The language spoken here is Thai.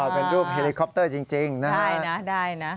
เป็นรูปเฮลิคอปเตอร์จริงนะใช่นะได้นะ